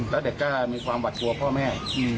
แล้วเด็กก็มีความหวัดกลัวพ่อแม่